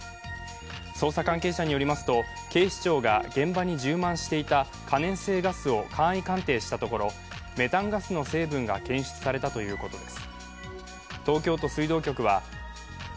捜査関係者によりますと、警視庁が現場に充満していた可燃性ガスを簡易鑑定したところメタンガスの成分が検出されたということです。